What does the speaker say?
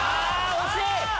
惜しい！